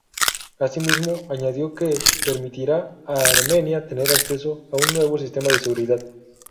Asimismo, añadió que "permitirá a Armenia tener acceso a un nuevo sistema de seguridad".